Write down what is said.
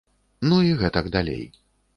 Ну і гэтак далей.